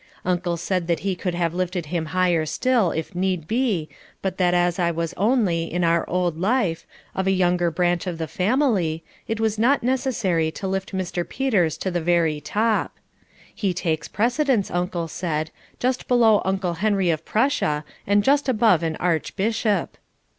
Uncle said that he could have lifted him higher still if need be but that as I was only, in our old life, of a younger branch of the family, it was not necessary to lift Mr. Peters to the very top. He takes precedence, Uncle said, just below Uncle Henry of Prussia and just above an Archbishop.